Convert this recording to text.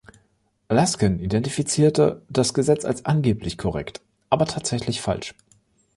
Laskin identifizierte das Gesetz als angeblich korrekt, aber tatsächlich falsch.